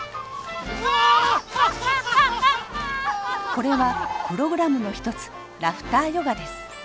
これはプログラムの一つラフターヨガです。